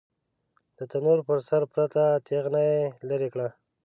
د تنور پر سر پرته تېغنه يې ليرې کړه.